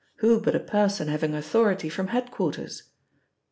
Who but a person having authority from head quarters?